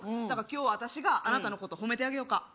だから今日私があなたのことを褒めてあげよか？